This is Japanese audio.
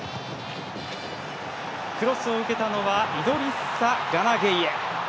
クロスを受けたのはイドリッサガナ・ゲイエ。